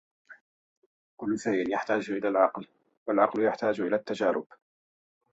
كُلُّ شَيْءٍ يَحْتَاجُ إلَى الْعَقْلِ وَالْعَقْلُ يَحْتَاجُ إلَى التَّجَارِبِ